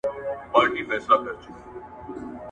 استقامت د ژوند د روحاني او اخلاقي پرمختګ سبب دی.